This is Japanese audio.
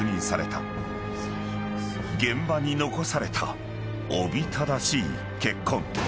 ［現場に残されたおびただしい血痕］